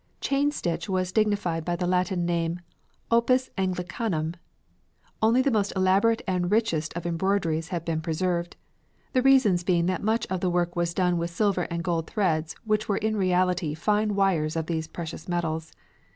Chain stitch was dignified by the Latin name opus anglicanum. Only the most elaborate and richest of embroideries have been preserved; the reason being that much of the work was done with silver and gold threads which were in reality fine wires of these precious metals.